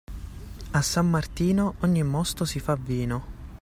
A San Martino ogni mosto si fa vino.